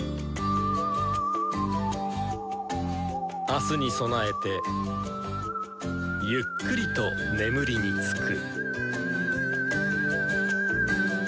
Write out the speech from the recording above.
明日に備えてゆっくりと眠りにつく。